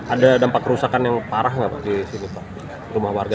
ada dampak kerusakan yang parah pak di rumah warga